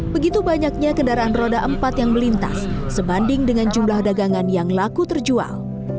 begitu banyaknya kendaraan roda empat yang melintas sebanding dengan jumlah dagangan yang laku terjual